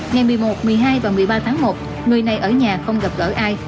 ngày một mươi một một mươi hai và một mươi ba tháng một người này ở nhà không gặp gỡ ai